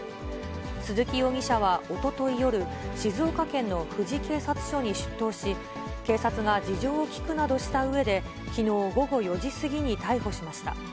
鈴木容疑者は、おととい夜、静岡県の富士警察署に出頭し、警察が事情を聴くなどしたうえで、きのう午後４時過ぎに逮捕しました。